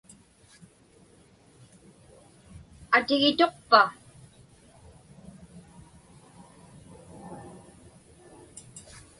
Atigituqpa?